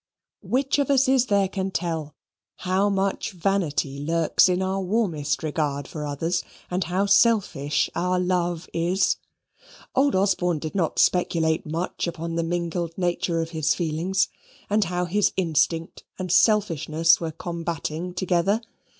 Which of us is there can tell how much vanity lurks in our warmest regard for others, and how selfish our love is? Old Osborne did not speculate much upon the mingled nature of his feelings, and how his instinct and selfishness were combating together.